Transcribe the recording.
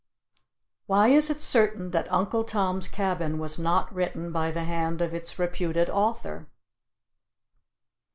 Why is it certain that "Uncle Tom's Cabin" was not written by the hand of its reputed author?